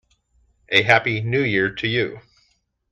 A happy New Year to you!